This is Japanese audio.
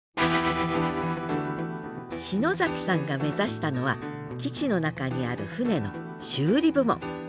篠崎さんが目指したのは基地の中にある船の修理部門。